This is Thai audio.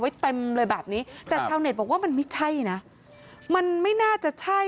เต็มเลยแบบนี้แต่ชาวเน็ตบอกว่ามันไม่ใช่นะมันไม่น่าจะใช่